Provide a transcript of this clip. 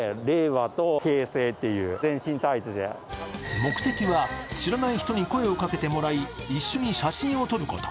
目的は知らない人に声をかけてもらい一緒に写真を撮ること。